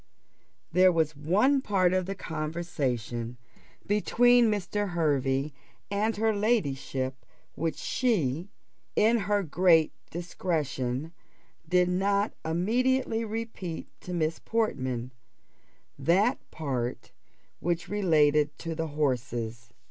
There was one part of the conversation between Mr. Hervey and her ladyship which she, in her great discretion, did not immediately repeat to Miss Portman that part which related to the horses.